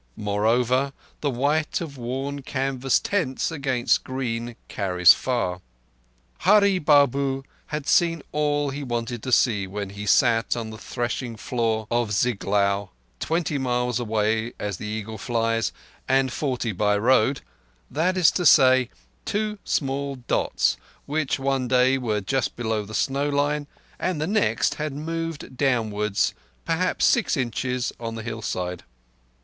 Moreover, the white of worn canvas tents against green carries far. Hurree Babu had seen all he wanted to see when he sat on the threshing floor of Ziglaur, twenty miles away as the eagle flies, and forty by road—that is to say, two small dots which one day were just below the snow line, and the next had moved downward perhaps six inches on the hillside.